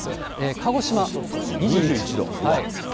鹿児島２１度。